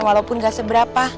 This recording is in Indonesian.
walaupun gak seberang